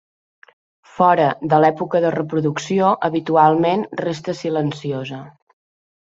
Fora de l'època de reproducció, habitualment resta silenciosa.